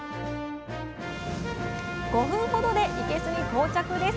５分ほどでいけすに到着です